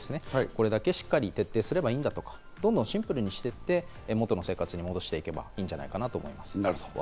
これだけしっかり徹底すればいいんだとか、どんどんシンプルにしていって、元の生活に戻していけばいいんじゃないかと思います。